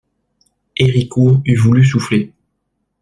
Héricourt eût voulu souffler.